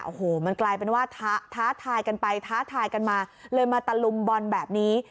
โอ้โหมันกลายเป็นว่าท้าทายกันไปท้าทายกันมาเลยมาตะลุมบอลแบบนี้